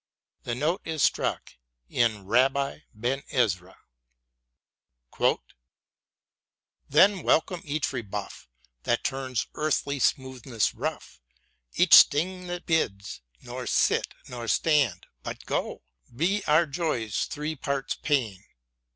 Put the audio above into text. The note is struck in " Rabbi Ben Ezra ": Then welcome each rebuff That turns earth's smoothness rough, Each sting that bids — ^nor sit — ^rior stand — but go ! Be our joys three parts pain